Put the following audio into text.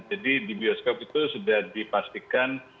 jadi di bioskop itu sudah dipastikan